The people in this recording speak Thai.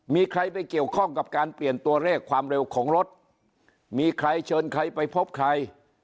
มีใครไปเกี่ยวข้องกับการเปลี่ยนตัวเลขความเร็วของรถมีใครเชิญใครไปพบใคร